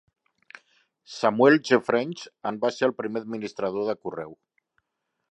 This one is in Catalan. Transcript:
Samuel G. French en va ser el primer administrador de correu.